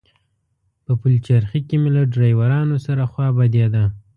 په پلچرخي کې مې له ډریورانو سره خوا بدېده.